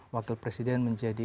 wakil presiden menjadi